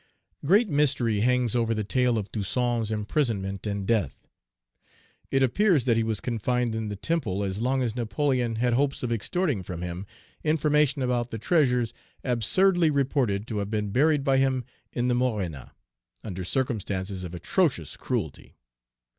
Great mystery hangs over the tale of Toussaint's imprisonment and death. It appears that he was confined in the Temple as long as Napoleon had hopes of extorting from him information about the treasures, absurdly reported to have been Page 342 buried by him in the Mornes,* under circumstances of atrocious cruelty.